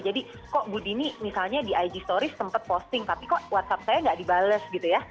jadi kok bu dini misalnya di ig story sempat posting tapi kok whatsapp saya nggak dibalas gitu ya